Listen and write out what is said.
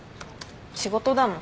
仕事だもん。